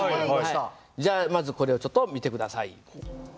じゃあまずこれをちょっと見て下さい。